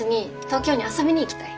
東京に遊びに行きたい。